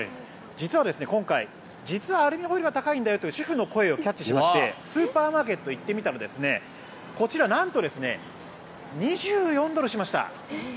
実は、今回アルミホイルが高いんだよという主婦の声をキャッチしましてスーパーマーケットに行ってみたらなんと、２４ドルしました。